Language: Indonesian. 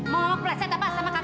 mau pleset apa sama kakak